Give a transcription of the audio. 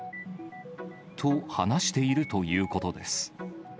と、話しているということです。